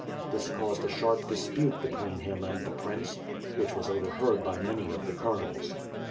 This caused a sharp dispute between him and the prince, which was overheard by many of the colonels.